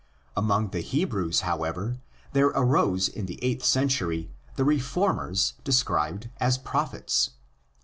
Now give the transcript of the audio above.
Among the Hebrews, however, there arose in the eighth century the reformers described as prophets.